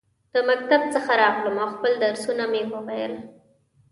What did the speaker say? د مکتب څخه راغلم ، او خپل درسونه مې وویل.